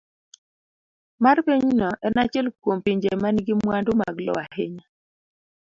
C. mar Pinyno en achiel kuom pinje ma nigi mwandu mag lowo ahinya.